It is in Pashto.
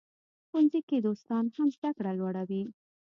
ښوونځي کې دوستان هم زده کړه لوړوي.